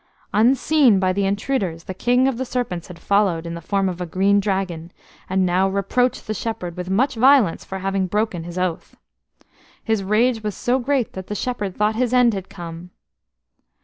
Unseen by the intruders, the King of the Serpents had followed in the form of a Green Dragon, and now reproached the shepherd with much violence for having broken his oath. His rage was so great that the shepherd thought his end had come.